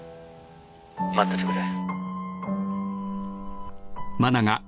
待っててくれ。